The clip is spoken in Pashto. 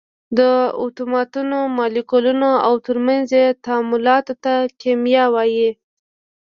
د اتومونو، مالیکولونو او تر منځ یې تعاملاتو ته کېمیا وایي.